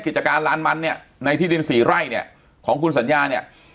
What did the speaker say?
กิจการลานมันเนี่ยในที่ดินสี่ไร่เนี่ยของคุณสัญญาเนี่ย